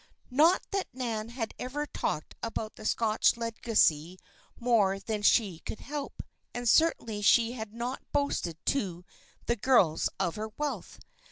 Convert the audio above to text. Not that Nan had ever talked about the Scotch legacy more than she could help; and certainly she had not boasted to the girls of her wealth.